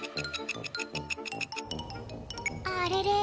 あれれ？